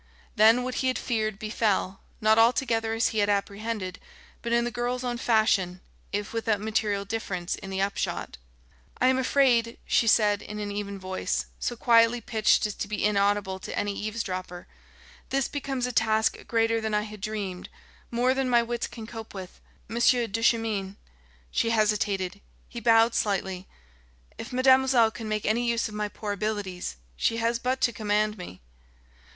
Then what he had feared befell, not altogether as he had apprehended, but in the girl's own fashion, if without material difference in the upshot. "I am afraid," said she in an even voice, so quietly pitched as to be inaudible to any eavesdropper. "This becomes a task greater than I had dreamed, more than my wits can cope with. Monsieur Duchemin...." She hesitated. He bowed slightly. "If mademoiselle can make any use of my poor abilities, she has but to command me."